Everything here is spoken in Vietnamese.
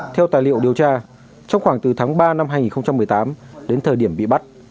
theo tài liệu điều tra trong khoảng từ tháng ba năm hai nghìn một mươi tám đến thời điểm bị bắt